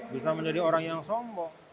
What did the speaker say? bisa menjadi orang yang sombong